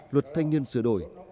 luật thanh niên sửa đổi